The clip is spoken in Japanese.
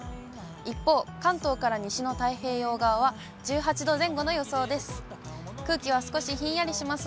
一方、関東から西の太平洋側は１８度前後の予想です。